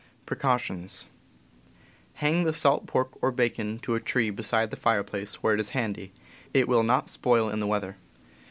Hang the salt pork or bacon to a tree beside the fire place, where it is handy; it will not spoil in the weather.